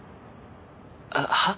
はっ？